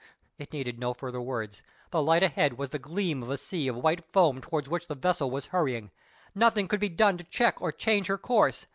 It needed no further words. The light ahead was the gleam of a sea of white foam towards which the vessel was hurrying. Nothing could be done to check or change her course.